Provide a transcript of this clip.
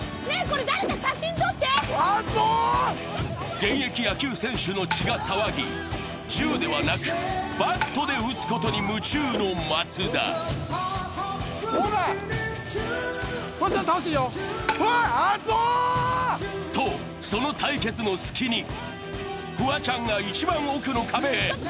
現役野球選手の血が騒ぎ、銃ではなくバットで打つことに夢中の松田。とその対決のすきにフワちゃんが一番奥の壁へ。